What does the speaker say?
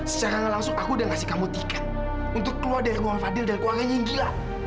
secara langsung aku sudah memberi kamu tiket untuk keluar dari rumah fadil dan keluarganya yang gila